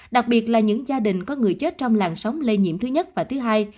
đặc biệt là những gia đình có người chết trong làng sóng lây nhiễm thứ nhất và thứ hai